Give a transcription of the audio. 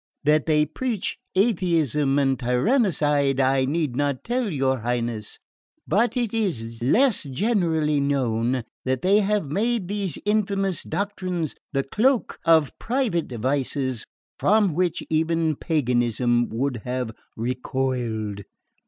That they preach atheism and tyrannicide I need not tell your Highness; but it is less generally known that they have made these infamous doctrines the cloak of private vices from which even paganism would have recoiled.